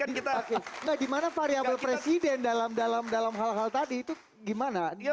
nah di mana variabel presiden dalam hal hal tadi itu gimana